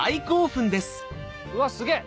うわすげぇ！